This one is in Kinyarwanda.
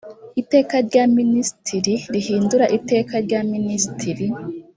iteka rya minisitiri rihindura iteka rya minisitiri